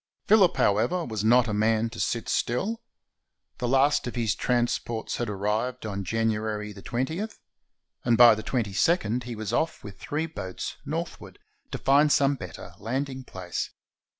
Phillip, however, was not a man to sit still. The last of his transports had arrived on January 20, and by the 2 2d he was off with three boats, northward, to find some better landing place.